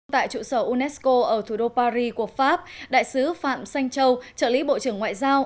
tại trụ sở unesco ở thủ đô paris của pháp đại sứ phạm sanh châu trợ lý bộ trưởng ngoại giao